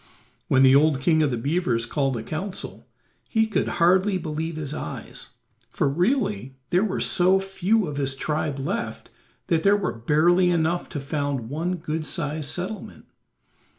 When the old king of the beavers called a council, he could hardly believe his eyes, for really there were so few of his tribe left that there were barely enough to found one good sized settlement.